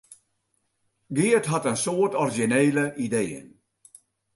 Geart hat in soad orizjinele ideeën.